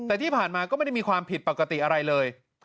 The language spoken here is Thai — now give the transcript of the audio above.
แต่ที่ผ่านมาก็ไม่ได้มีความผิดปกติอะไรเลย